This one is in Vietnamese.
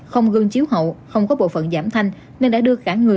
không gương chiếu hậu không có bộ phận giảm thanh nên đã đưa cả người